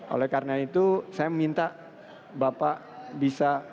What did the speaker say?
oleh karena itu saya minta bapak bisa